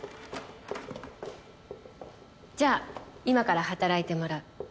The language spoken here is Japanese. じゃあ今から働いてもらう。